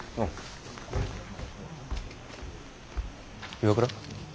岩倉？